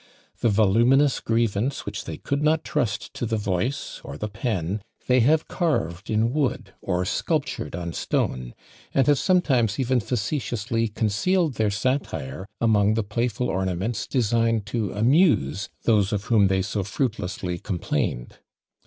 The voluminous grievance which they could not trust to the voice or the pen they have carved in wood, or sculptured on stone; and have sometimes even facetiously concealed their satire among the playful ornaments designed to amuse those of whom they so fruitlessly complained!